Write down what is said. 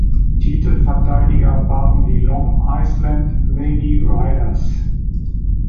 Titelverteidiger waren die Long Island Lady Riders.